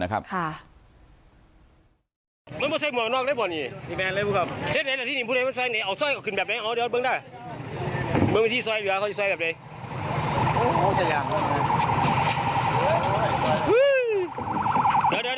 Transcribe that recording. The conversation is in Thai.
มิกัลมิกัล